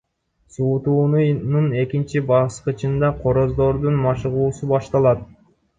Суутуунун экинчи баскычында короздордун машыгуусу башталат.